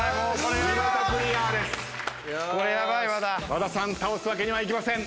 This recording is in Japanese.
和田さん倒すわけにはいきません